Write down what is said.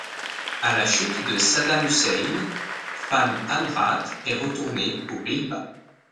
À la chute de Saddam Hussein, Van Anraat est retourné aux Pays-Bas.